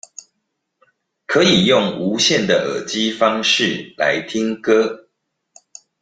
可以用無線的耳機方式來聽歌